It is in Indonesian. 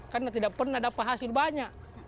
karena tidak pernah dapat hasil banyak